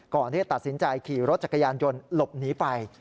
ก่อนที่จะตัดสินใจขี่รถจักรยานยนต์หลบหนีไป